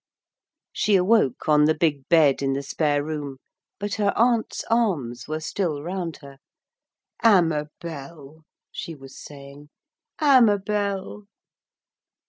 She awoke on the big bed in the spare room, but her aunt's arms were still round her. 'Amabel,' she was saying, 'Amabel!'